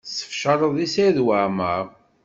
Tessefcaleḍ deg Saɛid Waɛmaṛ.